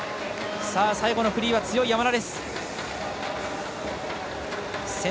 最後のフリーは強い山田。